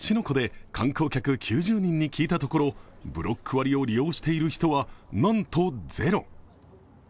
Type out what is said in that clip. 湖で観光客９０人に聞いたところブロック割を利用している人は、なんとゼロ。